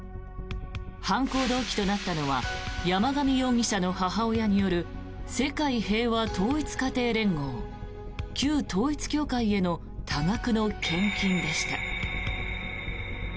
犯行動機となったのは山上容疑者の母親による世界平和統一家庭連合旧統一教会への多額の献金でした。